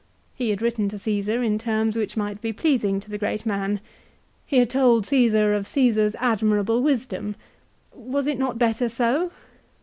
He had written to Csesar in terms which might be pleasing to the great man. He had told Caesar of Caesar's admirable wisdom. Was it not better so